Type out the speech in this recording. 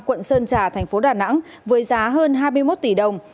quận sơn trà tp đà nẵng với giá hơn hai mươi một tỷ đồng